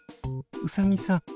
うさぎさん